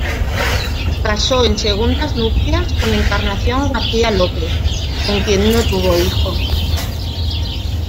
Casó en segundas nupcias con Encarnación García López, con quien no tuvo hijos.